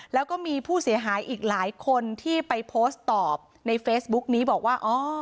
แล้วก็มีผู้เสียหายอีกหลายคนที่ไปโพสต์ตอบในเฟซบุ๊กนี้บอกว่า